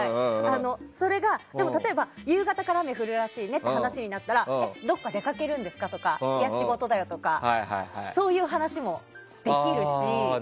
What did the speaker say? でも例えば、夕方から雨降るらしいねって話になったらどっか出かけるんですか？とかいや、仕事だよとかそういう話もできるし。